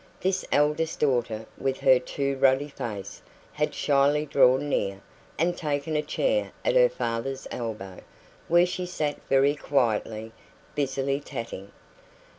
This eldest daughter, with her too ruddy face, had shyly drawn near, and taken a chair at her father's elbow, where she sat very quietly, busily tatting.